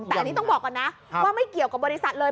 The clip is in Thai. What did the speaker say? แต่อันนี้ต้องบอกก่อนนะว่าไม่เกี่ยวกับบริษัทเลย